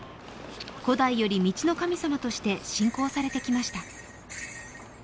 古代より道の神様として信仰されてきました。